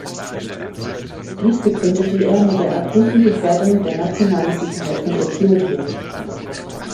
Dies begründete er mit der akuten Gefährdung der nationalen Sicherheit von Äthiopien.